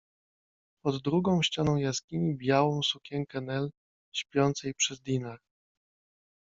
Pod drugą ścianą jaskini białą sukienkę Nel śpiącej przy Dinah.